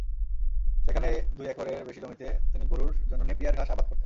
সেখানে দুই একরের বেশি জমিতে তিনি গরুর জন্য নেপিআর ঘাস আবাদ করতেন।